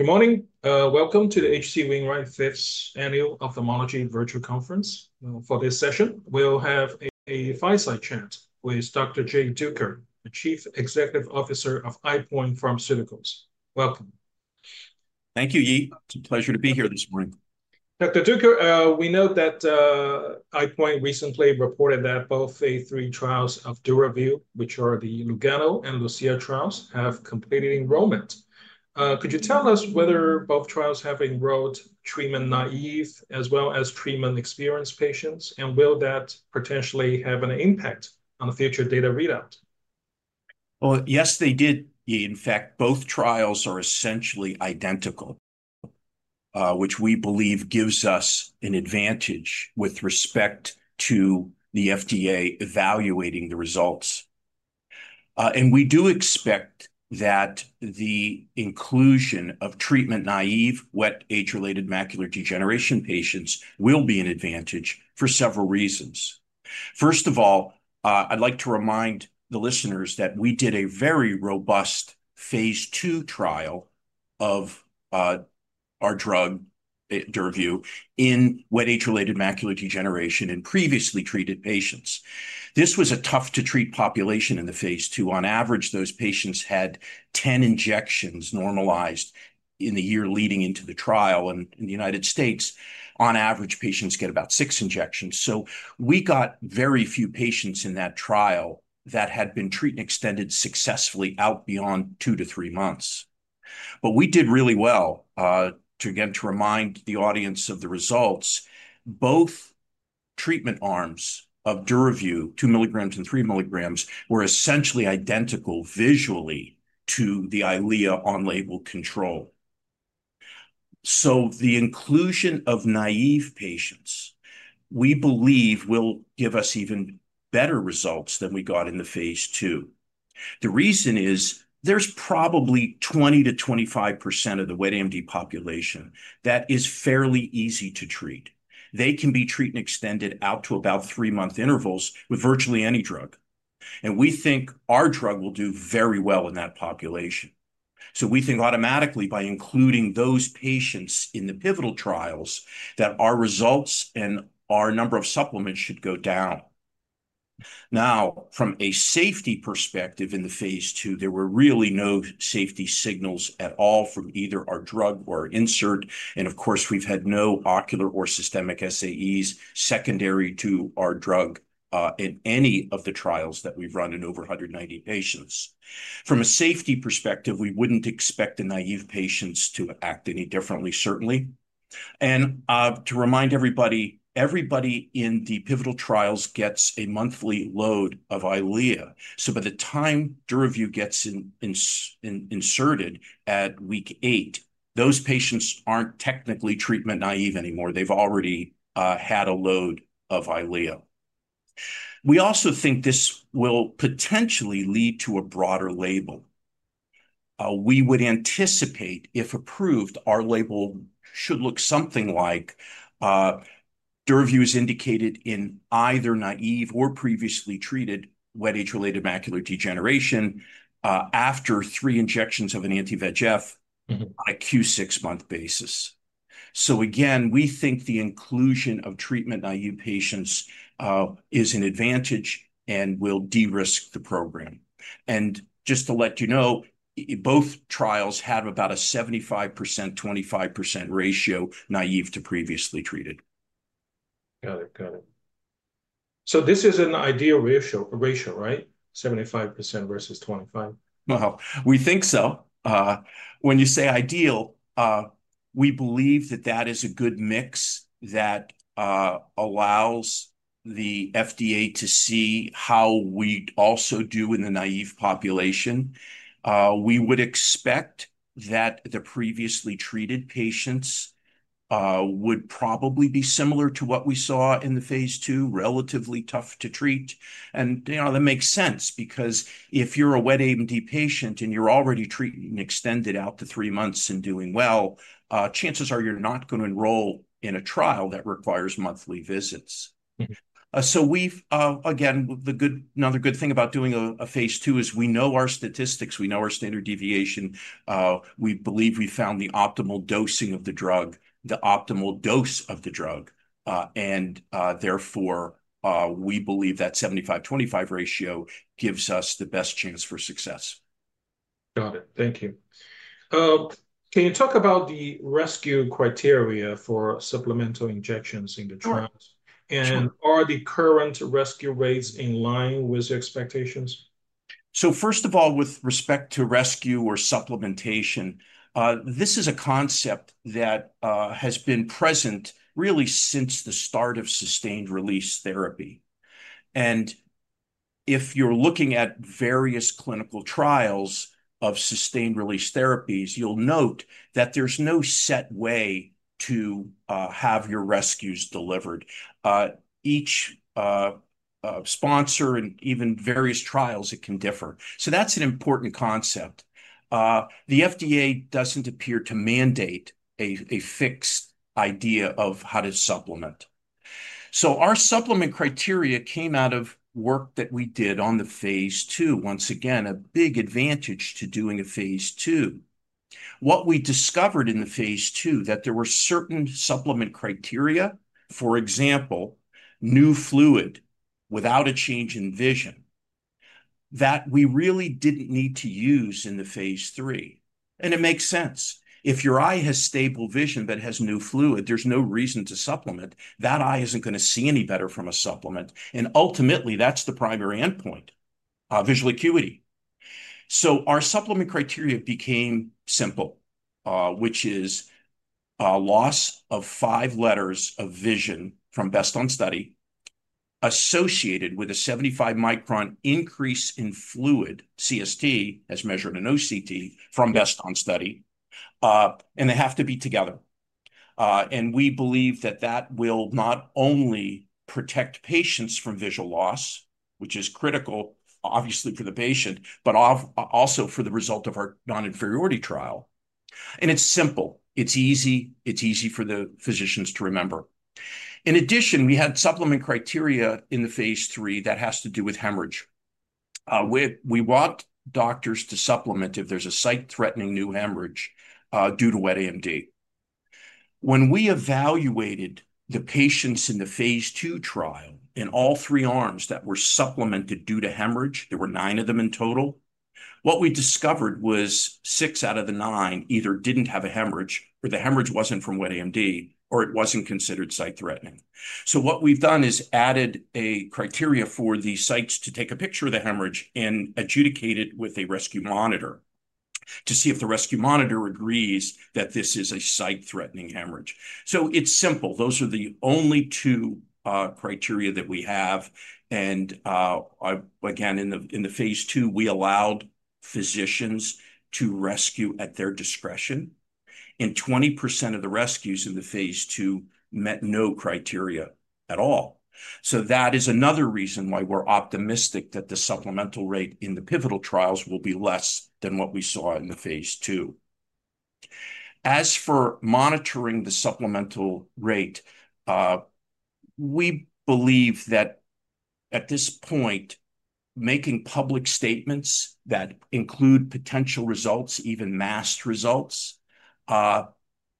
Good morning. Welcome to the H.C. Wainwright Fifth Annual Ophthalmology Virtual Conference. For this session, we'll have a fireside chat with Dr. Jay Duker, the Chief Executive Officer of EyePoint Pharmaceuticals. Welcome. Thank you, Yi. It's a pleasure to be here this morning. Dr. Duker, we know that EyePoint recently reported that both pivotal phase III trials of DURAVYU™, which are the Lugano and Lucia trials, have completed enrollment. Could you tell us whether both trials have enrolled treatment-naive as well as treatment-experienced patients, and will that potentially have an impact on the future data readout? Yes, they did, Yi. In fact, both trials are essentially identical, which we believe gives us an advantage with respect to the FDA evaluating the results. We do expect that the inclusion of treatment-naive wet age-related macular degeneration patients will be an advantage for several reasons. First of all, I'd like to remind the listeners that we did a very robust phase II trial of our drug, DURAVYU™, in wet age-related macular degeneration in previously treated patients. This was a tough-to-treat population in the phase II. On average, those patients had 10 injections normalized in the year leading into the trial. In the United States, on average, patients get about six injections. We got very few patients in that trial that had been treatment extended successfully out beyond two-three months. We did really well. Again, to remind the audience of the results, both treatment arms of DURAVYU™, 2 mg and 3 mg, were essentially identical visually to the Eylea on-label control. The inclusion of naive patients, we believe, will give us even better results than we got in the phase II. The reason is there's probably 20%-25% of the wet AMD population that is fairly easy to treat. They can be treatment extended out to about three-month intervals with virtually any drug. We think our drug will do very well in that population. We think automatically, by including those patients in the pivotal trials, that our results and our number of supplements should go down. From a safety perspective in the phase II, there were really no safety signals at all from either our drug or our insert. Of course, we've had no ocular or systemic SAEs secondary to our drug in any of the trials that we've run in over 190 patients. From a safety perspective, we wouldn't expect the naive patients to act any differently, certainly. To remind everybody, everybody in the pivotal trials gets a monthly load of Eylea. By the time DURAVYU™ gets inserted at week eight, those patients aren't technically treatment-naive anymore. They've already had a load of Eylea. We also think this will potentially lead to a broader label. We would anticipate, if approved, our label should look something like DURAVYU™ is indicated in either naive or previously treated wet age-related macular degeneration after three injections of an anti-VEGF on a q6mo basis. Again, we think the inclusion of treatment-naive patients is an advantage and will de-risk the program. Just to let you know, both trials have about a 75%/25% ratio, naive to previously treated. Got it. This is an ideal ratio, right? 75% versus 25%? We think so. When you say ideal, we believe that that is a good mix that allows the FDA to see how we also do in the naive population. We would expect that the previously treated patients would probably be similar to what we saw in the phase II, relatively tough to treat. You know that makes sense because if you're a wet AMD patient and you're already treatment extended out to three months and doing well, chances are you're not going to enroll in a trial that requires monthly visits. Another good thing about doing a phase II is we know our statistics. We know our standard deviation. We believe we found the optimal dosing of the drug, the optimal dose of the drug. Therefore, we believe that 75%/25% ratio gives us the best chance for success. Got it. Thank you. Can you talk about the rescue criteria for supplemental injections in the trials? Are the current rescue rates in line with expectations? First of all, with respect to rescue or supplementation, this is a concept that has been present really since the start of sustained-release therapy. If you're looking at various clinical trials of sustained-release therapies, you'll note that there's no set way to have your rescues delivered. Each sponsor and even various trials, it can differ. That's an important concept. The FDA doesn't appear to mandate a fixed idea of how to supplement. Our supplement criteria came out of work that we did on the phase II. Once again, a big advantage to doing a phase II. What we discovered in the phase II, that there were certain supplement criteria, for example, new fluid without a change in vision, that we really didn't need to use in the phase III. It makes sense. If your eye has stable vision but has new fluid, there's no reason to supplement. That eye isn't going to see any better from a supplement. Ultimately, that's the primary endpoint, visual acuity. Our supplement criteria became simple, which is a loss of five letters of vision from best on study associated with a 75 increase in fluid, CST, as measured in OCT from best on study. They have to be together. We believe that will not only protect patients from visual loss, which is critical, obviously, for the patient, but also for the result of our non-inferiority trial. It's simple. It's easy. It's easy for the physicians to remember. In addition, we had supplement criteria in the phase III that has to do with hemorrhage. We want doctors to supplement if there's a site-threatening new hemorrhage due to wet AMD. When we evaluated the patients in the phase II trial in all three arms that were supplemented due to hemorrhage, there were nine of them in total. What we discovered was six out of the nine either didn't have a hemorrhage, or the hemorrhage wasn't from wet AMD, or it wasn't considered site-threatening. What we've done is added a criteria for the sites to take a picture of the hemorrhage and adjudicate it with a rescue monitor to see if the rescue monitor agrees that this is a site-threatening hemorrhage. It's simple. Those are the only two criteria that we have. Again, in the phase II, we allowed physicians to rescue at their discretion. 20% of the rescues in the phase II met no criteria at all. That is another reason why we're optimistic that the supplemental rate in the pivotal trials will be less than what we saw in the phase II. As for monitoring the supplemental rate, we believe that at this point, making public statements that include potential results, even masked results,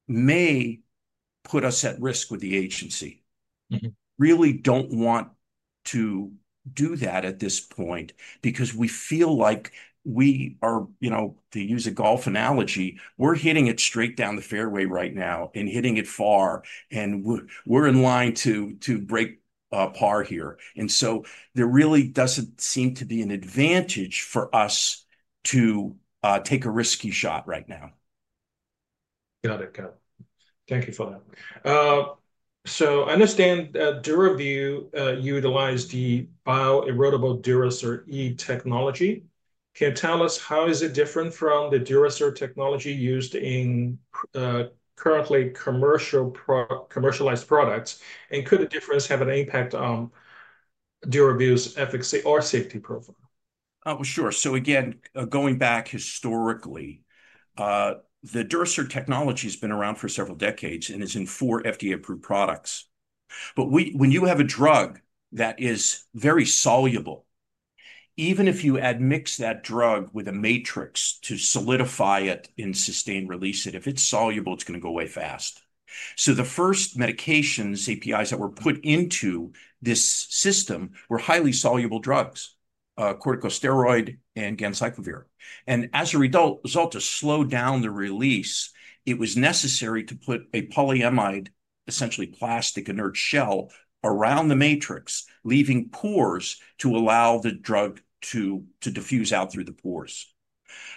may put us at risk with the agency. We really don't want to do that at this point because we feel like we are, to use a golf analogy, we're hitting it straight down the fairway right now and hitting it far. We're in line to break par here. There really doesn't seem to be an advantage for us to take a risky shot right now. Thank you for that. I understand DURAVYU™ utilized the bioerodible Durasert E™ technology. Can you tell us how it is different from the Durasert technology used in currently commercialized products? Could the difference have an impact on DURAVYU™'s efficacy or safety profile? Oh, sure. Again, going back historically, the Durasert technology has been around for several decades and is in four FDA-approved products. When you have a drug that is very soluble, even if you mix that drug with a matrix to solidify it and sustain release it, if it's soluble, it's going to go away fast. The first medications, APIs that were put into this system were highly soluble drugs, corticosteroid and ganciclovir. As a result, to slow down the release, it was necessary to put a polyamide, essentially plastic inert shell, around the matrix, leaving pores to allow the drug to diffuse out through the pores.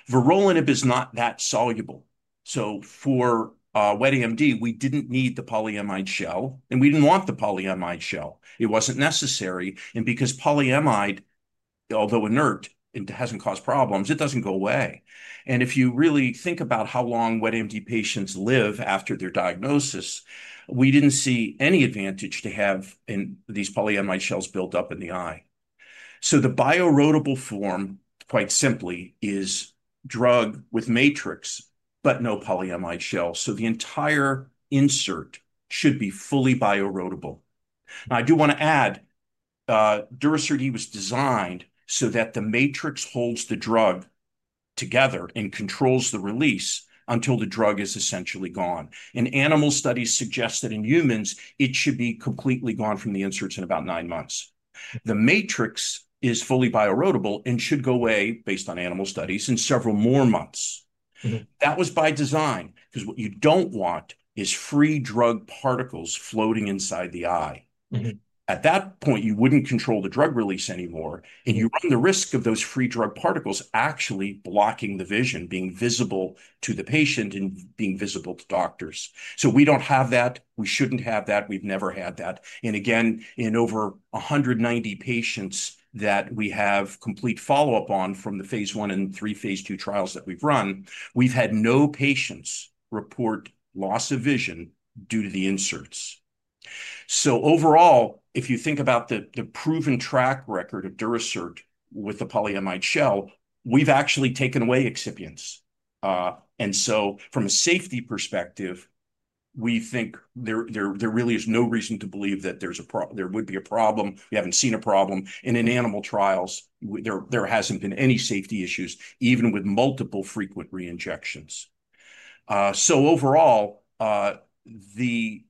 Vorolanib is not that soluble. For wet AMD, we didn't need the polyamide shell, and we didn't want the polyamide shell. It wasn't necessary. Polyamide, although inert, hasn't caused problems, it doesn't go away. If you really think about how long wet AMD patients live after their diagnosis, we didn't see any advantage to have these polyamide shells built up in the eye. The bioerodible form, quite simply, is drug with matrix, but no polyamide shell. The entire insert should be fully bioerodible. I do want to add Durasert was designed so that the matrix holds the drug together and controls the release until the drug is essentially gone. Animal studies suggest that in humans, it should be completely gone from the inserts in about nine months. The matrix is fully bioerodible and should go away, based on animal studies, in several more months. That was by design because what you don't want is free drug particles floating inside the eye. At that point, you wouldn't control the drug release anymore. You run the risk of those free drug particles actually blocking the vision, being visible to the patient and being visible to doctors. We don't have that. We shouldn't have that. We've never had that. In over 190 patients that we have complete follow-up on from the phase I and three-phase II trials that we've run, we've had no patients report loss of vision due to the inserts. Overall, if you think about the proven track record of Durasert with the polyamide shell, we've actually taken away excipients. From a safety perspective, we think there really is no reason to believe that there would be a problem. We haven't seen a problem. In animal trials, there hasn't been any safety issues, even with multiple frequent reinjections. Overall, the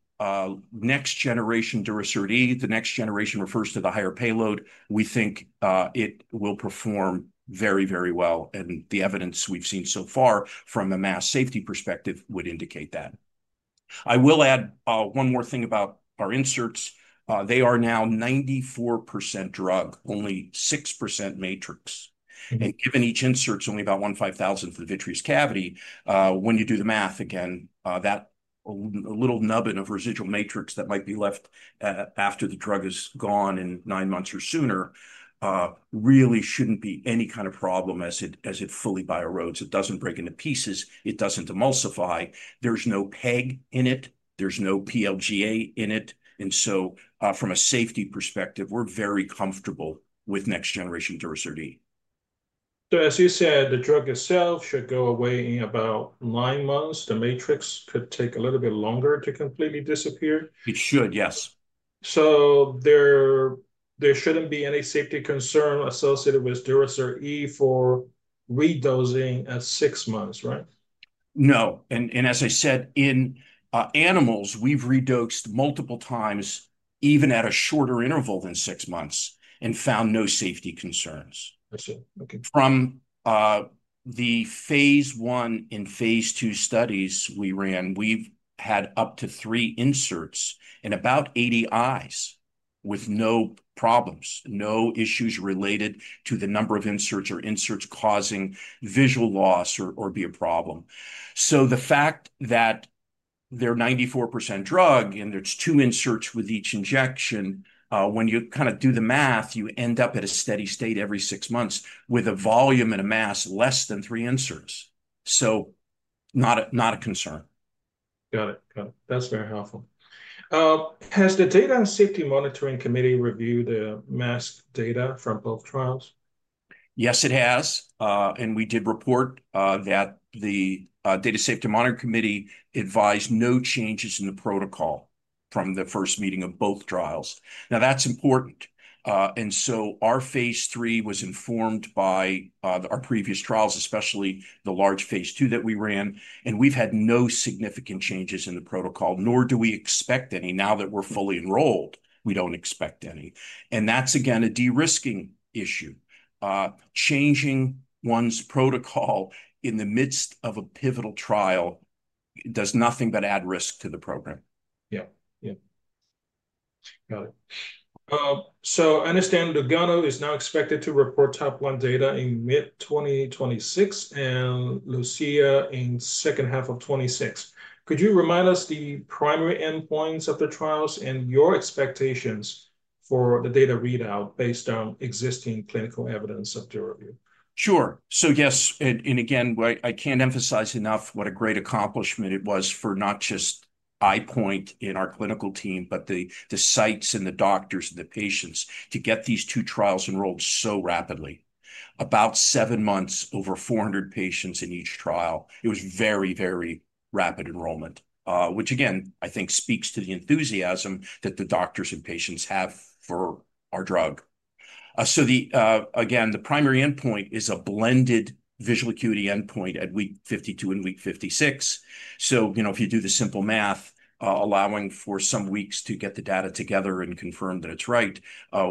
next generation Durasert E™, the next generation refers to the higher payload, we think it will perform very, very well. The evidence we've seen so far from a mass safety perspective would indicate that. I will add one more thing about our inserts. They are now 94% drug, only 6% matrix. Given each insert is only about one 5,000th for the vitreous cavity, when you do the math again, that little nubbin of residual matrix that might be left after the drug is gone in nine months or sooner really shouldn't be any kind of problem as it fully bio-erodes. It doesn't break into pieces. It doesn't emulsify. There's no PEG in it. There's no PLGA in it. From a safety perspective, we're very comfortable with next generation Durasert E™. The drug itself should go away in about nine months. The matrix could take a little bit longer to completely disappear. It should, yes. There shouldn't be any safety concern associated with Durasert E™ for re-dosing at six months, right? No. As I said, in animals, we've re-dosed multiple times, even at a shorter interval than six months, and found no safety concerns. I see. OK. From the phase I and phase II studies we ran, we've had up to three inserts in about 80 eyes with no problems, no issues related to the number of inserts or inserts causing visual loss or be a problem. The fact that they're 94% drug and there's two inserts with each injection, when you kind of do the math, you end up at a steady state every six months with a volume and a mass less than three inserts. Not a concern. Got it. That's very helpful. Has the Data and Safety Monitoring Committee reviewed the mass data from both trials? Yes, it has. We did report that the Data Safety Monitoring Committee advised no changes in the protocol from the first meeting of both trials. That's important. Our phase III was informed by our previous trials, especially the large phase II that we ran. We've had no significant changes in the protocol, nor do we expect any now that we're fully enrolled. We don't expect any. That's, again, a de-risking issue. Changing one's protocol in the midst of a pivotal trial does nothing but add risk to the program. Yeah. Got it. I understand Lugano is now expected to report top line data in mid-2026 and Lucia in the second half of 2026. Could you remind us the primary endpoints of the trials and your expectations for the data readout based on existing clinical evidence of DURAVYU™? Sure. Yes. I can't emphasize enough what a great accomplishment it was for not just EyePoint and our clinical team, but the sites, the doctors, and the patients to get these two trials enrolled so rapidly. About seven months, over 400 patients in each trial. It was very, very rapid enrollment, which I think speaks to the enthusiasm that the doctors and patients have for our drug. The primary endpoint is a blended visual acuity endpoint at week 52 and week 56. If you do the simple math, allowing for some weeks to get the data together and confirm that it's right,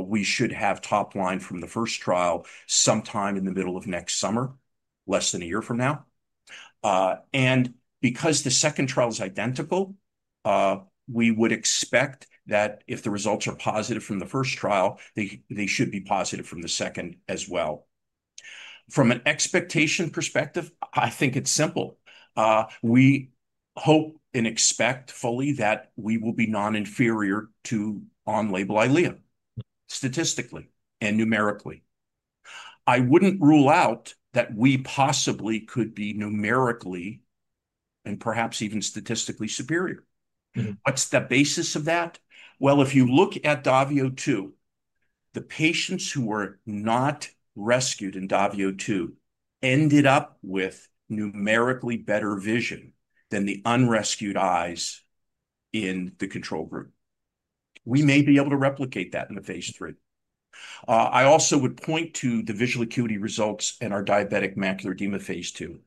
we should have top line from the first trial sometime in the middle of next summer, less than a year from now. Because the second trial is identical, we would expect that if the results are positive from the first trial, they should be positive from the second as well. From an expectation perspective, I think it's simple. We hope and expect fully that we will be non-inferior to on-label Eylea statistically and numerically. I wouldn't rule out that we possibly could be numerically and perhaps even statistically superior. What's the basis of that? If you look at DAVIO 2, the patients who were not rescued in DAVIO 2 ended up with numerically better vision than the unrescued eyes in the control group. We may be able to replicate that in the phase III. I also would point to the visual acuity results in our diabetic macular edema phase II,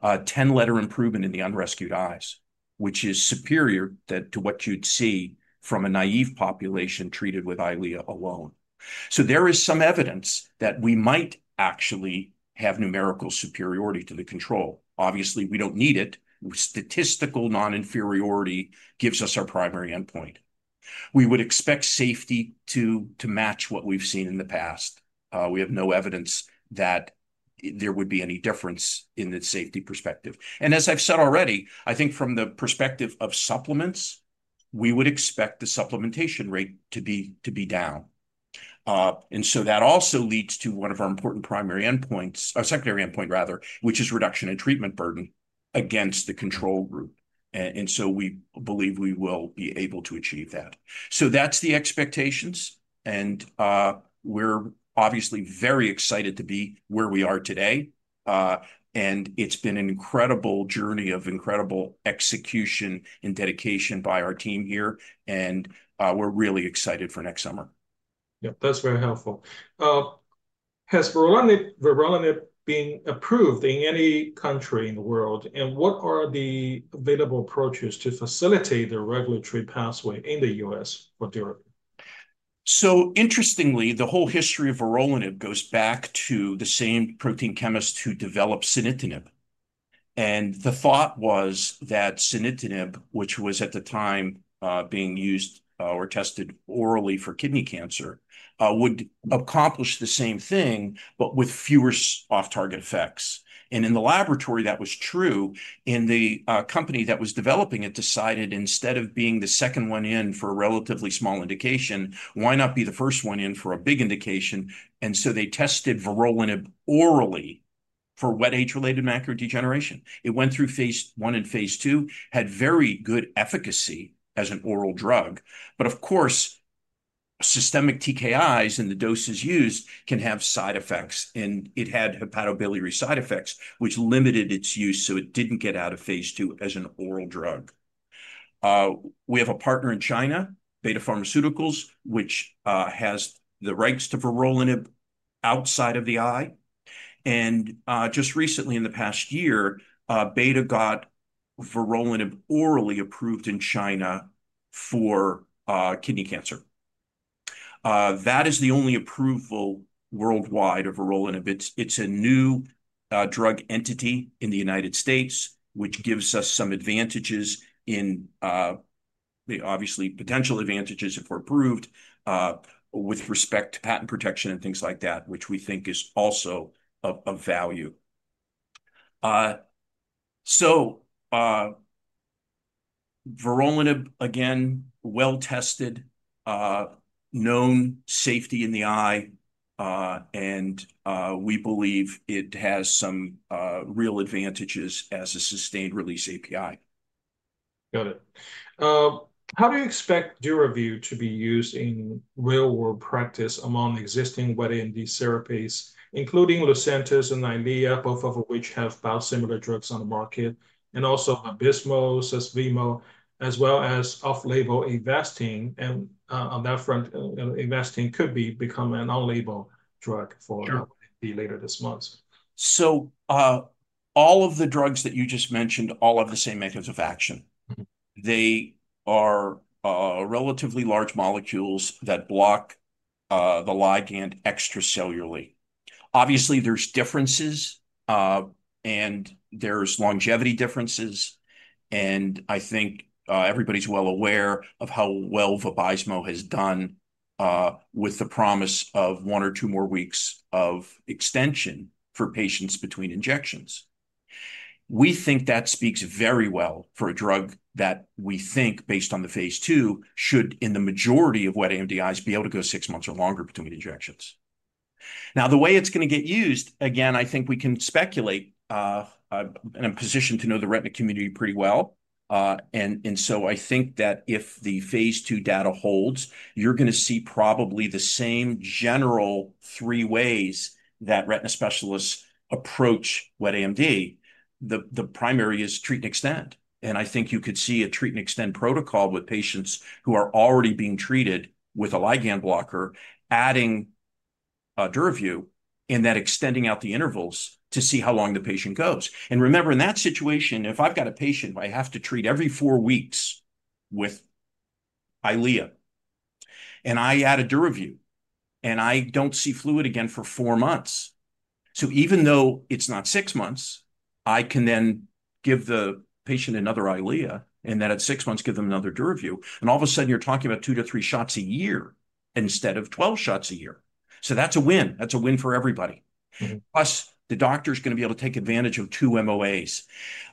a 10-letter improvement in the unrescued eyes, which is superior to what you'd see from a treatment-naive population treated with Eylea alone. There is some evidence that we might actually have numerical superiority to the control. Obviously, we don't need it. Statistical non-inferiority gives us our primary endpoint. We would expect safety to match what we've seen in the past. We have no evidence that there would be any difference in the safety perspective. As I've said already, I think from the perspective of supplements, we would expect the supplementation rate to be down. That also leads to one of our important primary endpoints, our secondary endpoint, which is reduction in treatment burden against the control group. We believe we will be able to achieve that. That's the expectations. We're obviously very excited to be where we are today. It's been an incredible journey of incredible execution and dedication by our team here. We're really excited for next summer. Yeah. That's very helpful. Has vorolanib been approved in any country in the world? What are the available approaches to facilitate the regulatory pathway in the U.S. for DURAVYU™? Interestingly, the whole history of vorolanib goes back to the same protein chemist who developed sunitinib. The thought was that sunitinib, which was at the time being used or tested orally for kidney cancer, would accomplish the same thing, but with fewer off-target effects. In the laboratory, that was true. The company that was developing it decided, instead of being the second one in for a relatively small indication, why not be the first one in for a big indication? They tested vorolanib orally for wet age-related macular degeneration. It went through phase I and phase II, had very good efficacy as an oral drug. Of course, systemic TKIs and the doses used can have side effects. It had hepatobiliary side effects, which limited its use. It didn't get out of phase II as an oral drug. We have a partner in China, Betta Pharmaceuticals, which has the rights to vorolanib outside of the eye. Just recently, in the past year, Betta got vorolanib orally approved in China for kidney cancer. That is the only approval worldwide of vorolanib. It's a new drug entity in the United States, which gives us some advantages in, obviously, potential advantages if we're approved with respect to patent protection and things like that, which we think is also of value. Vorolanib, again, well-tested, known safety in the eye. We believe it has some real advantages as a sustained-release API. Got it. How do you expect DURAVYU™ to be used in real-world practice among existing wet AMD therapies, including Lucentis and Eylea, both of which have biosimilar drugs on the market, and also Vabysmo, as well as off-label Avastin? On that front, Avastin could become an on-label drug later this month. All of the drugs that you just mentioned all have the same methods of action. They are relatively large molecules that block the ligand extracellularly. Obviously, there's differences, and there's longevity differences. I think everybody's well aware of how well Vabysmo has done with the promise of one or two more weeks of extension for patients between injections. We think that speaks very well for a drug that we think, based on the phase II, should, in the majority of wet AMD eyes, be able to go six months or longer between injections. Now, the way it's going to get used, again, I think we can speculate. I'm positioned to know the retina community pretty well. I think that if the phase II data holds, you're going to see probably the same general three ways that retina specialists approach wet AMD. The primary is treat and extend. I think you could see a treat and extend protocol with patients who are already being treated with a ligand blocker, adding DURAVYU™, and then extending out the intervals to see how long the patient goes. Remember, in that situation, if I've got a patient who I have to treat every four weeks with Eylea, and I add a DURAVYU™, and I don't see fluid again for four months, even though it's not six months, I can then give the patient another Eylea, and then at six months, give them another DURAVYU™. All of a sudden, you're talking about two to three shots a year instead of 12 shots a year. That's a win. That's a win for everybody. Plus, the doctor is going to be able to take advantage of two MOAs.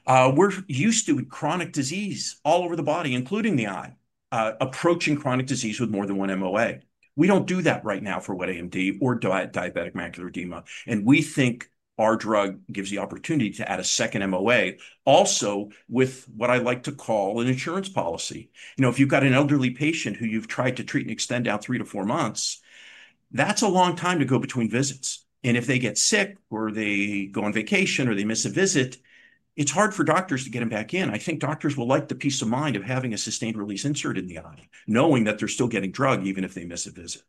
We're used to chronic disease all over the body, including the eye, approaching chronic disease with more than one MOA. We don't do that right now for wet AMD or diabetic macular edema. We think our drug gives the opportunity to add a second MOA, also with what I like to call an insurance policy. You know, if you've got an elderly patient who you've tried to treat and extend out three to four months, that's a long time to go between visits. If they get sick, or they go on vacation, or they miss a visit, it's hard for doctors to get them back in. I think doctors will like the peace of mind of having a sustained-release insert in the eye, knowing that they're still getting drug, even if they miss a visit.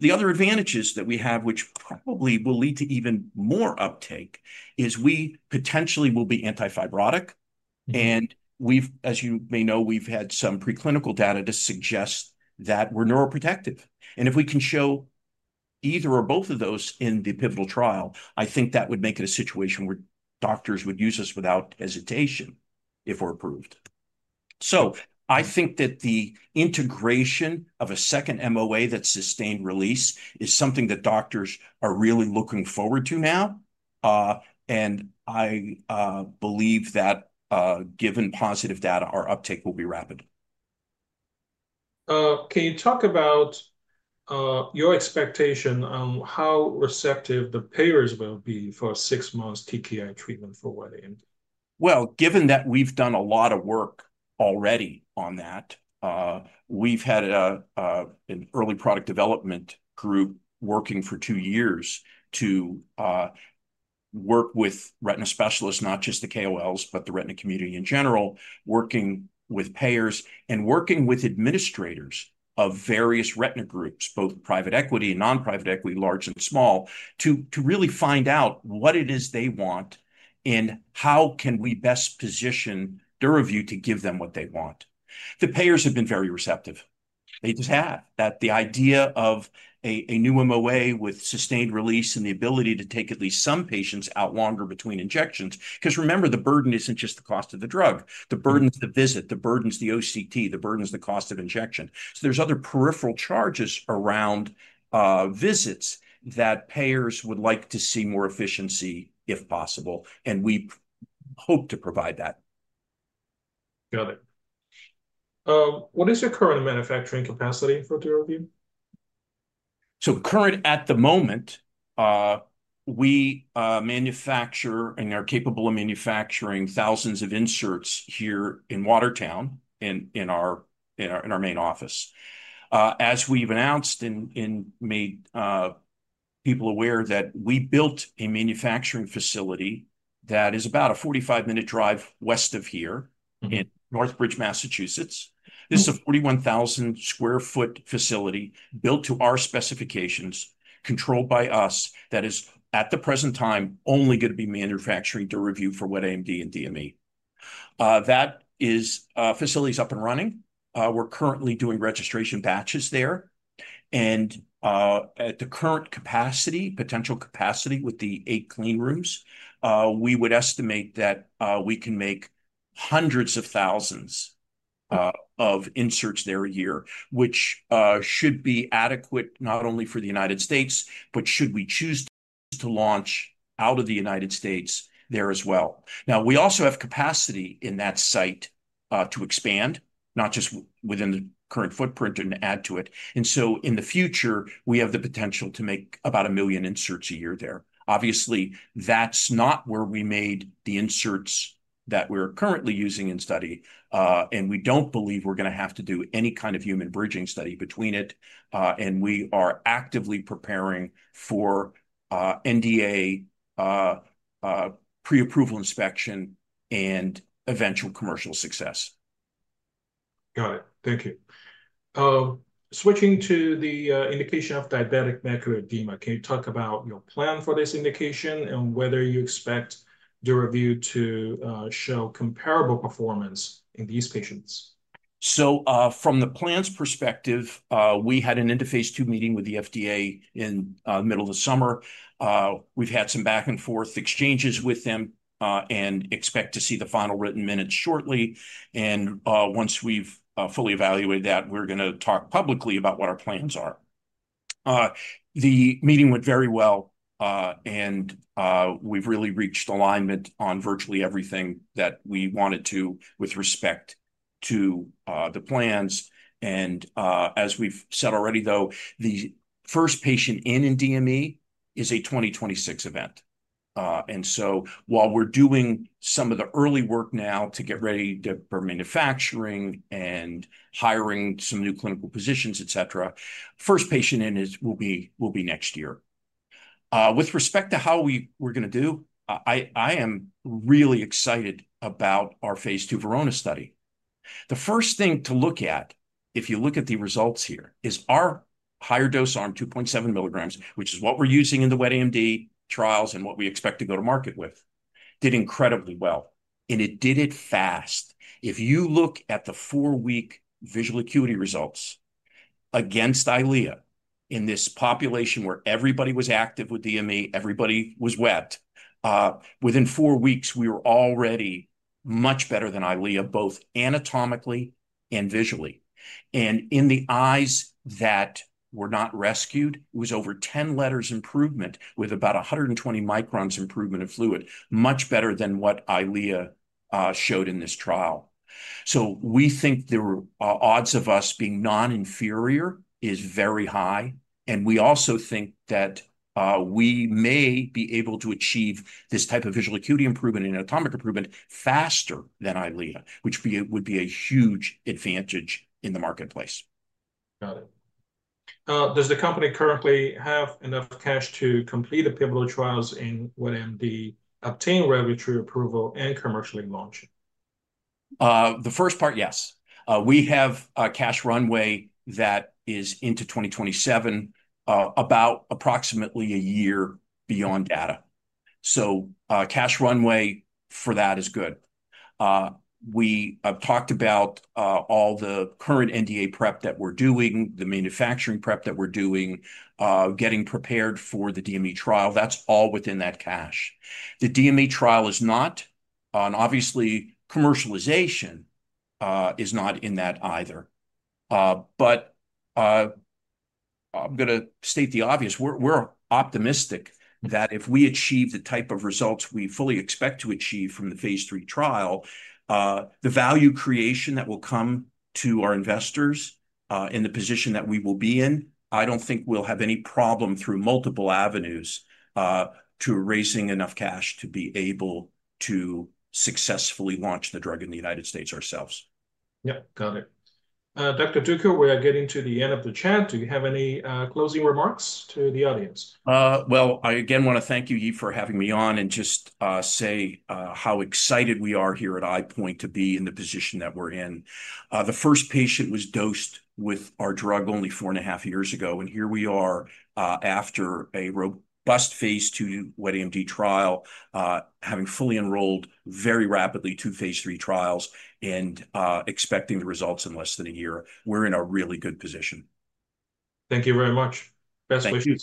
The other advantages that we have, which probably will lead to even more uptake, is we potentially will be antifibrotic. As you may know, we've had some preclinical data to suggest that we're neuroprotective. If we can show either or both of those in the pivotal trial, I think that would make it a situation where doctors would use us without hesitation if we're approved. I think that the integration of a second MOA that's sustained-release is something that doctors are really looking forward to now. I believe that, given positive data, our uptake will be rapid. Can you talk about your expectation on how receptive the payers will be for a six-month TKI treatment for wet AMD? Given that we've done a lot of work already on that, we've had an early product development group working for two years to work with retina specialists, not just the KOLs, but the retina community in general, working with payers and working with administrators of various retina groups, both private equity and nonprivate equity, large and small, to really find out what it is they want and how can we best position DURAVYU™ to give them what they want. The payers have been very receptive. They just have. The idea of a new MOA with sustained release and the ability to take at least some patients out longer between injections, because remember, the burden isn't just the cost of the drug. The burden is the visit. The burden is the OCT. The burden is the cost of injection. There's other peripheral charges around visits that payers would like to see more efficiency, if possible. We hope to provide that. Got it. What is your current manufacturing capacity for DURAVYU™? Currently, at the moment, we manufacture and are capable of manufacturing thousands of inserts here in Watertown, in our main office. As we've announced and made people aware, we built a manufacturing facility that is about a 45-minute drive west of here in Northbridge, Massachusetts. This is a 41,000 sq ft facility built to our specifications, controlled by us, that is at the present time only going to be manufacturing DURAVYU™ for wet AMD and DME. That facility is up and running. We're currently doing registration batches there. At the current potential capacity with the eight clean rooms, we would estimate that we can make hundreds of thousands of inserts there a year, which should be adequate not only for the United States, but should we choose to launch out of the United States, there as well. We also have capacity in that site to expand, not just within the current footprint and add to it. In the future, we have the potential to make about a million inserts a year there. Obviously, that's not where we made the inserts that we're currently using in study. We don't believe we're going to have to do any kind of human bridging study between it. We are actively preparing for NDA pre-approval inspection and eventual commercial success. Got it. Thank you. Switching to the indication of diabetic macular edema, can you talk about your plan for this indication and whether you expect DURAVYU™ to show comparable performance in these patients? From the plan's perspective, we had an end of phase II meeting with the FDA in the middle of the summer. We've had some back-and-forth exchanges with them and expect to see the final written minutes shortly. Once we've fully evaluated that, we're going to talk publicly about what our plans are. The meeting went very well. We've really reached alignment on virtually everything that we wanted to with respect to the plans. As we've said already, the first patient in DME is a 2026 event. While we're doing some of the early work now to get ready for manufacturing and hiring some new clinical positions, et cetera, the first patient in will be next year. With respect to how we're going to do, I am really excited about our phase II Verona study. The first thing to look at, if you look at the results here, is our higher dose arm, 2.7 mg, which is what we're using in the wet AMD trials and what we expect to go to market with, did incredibly well. It did it fast. If you look at the four-week visual acuity results against Eylea in this population where everybody was active with DME, everybody was wet, within four weeks, we were already much better than Eylea, both anatomically and visually. In the eyes that were not rescued, it was over 10 letters improvement with about 120 µ improvement in fluid, much better than what Eylea showed in this trial. We think the odds of us being non-inferior are very high. We also think that we may be able to achieve this type of visual acuity improvement and anatomic improvement faster than Eylea, which would be a huge advantage in the marketplace. Got it. Does the company currently have enough cash to complete the pivotal trials in wet AMD, obtain regulatory approval, and commercially launch it? The first part, yes. We have a cash runway that is into 2027, about approximately a year beyond data. So cash runway for that is good. We talked about all the current NDA prep that we're doing, the manufacturing prep that we're doing, getting prepared for the DME trial. That's all within that cash. The DME trial is not. Obviously, commercialization is not in that either. I'm going to state the obvious. We're optimistic that if we achieve the type of results we fully expect to achieve from the phase III trial, the value creation that will come to our investors and the position that we will be in, I don't think we'll have any problem through multiple avenues to raising enough cash to be able to successfully launch the drug in the United States ourselves. Got it. Dr. Duker, we are getting to the end of the chat. Do you have any closing remarks to the audience? I again want to thank you, Yi, for having me on and just say how excited we are here at EyePoint to be in the position that we're in. The first patient was dosed with our drug only four and a half years ago. Here we are after a robust phase II wet AMD trial, having fully enrolled very rapidly to phase III trials and expecting the results in less than a year. We're in a really good position. Thank you very much. Best wishes.